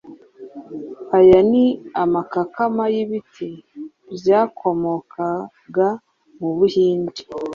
aya ni amakakama y’ibiti byakomokaga mu Buhinde